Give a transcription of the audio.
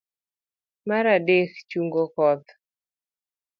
mar adek. chung'o koth